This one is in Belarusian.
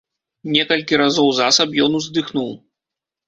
Некалькі разоў засаб ён уздыхнуў.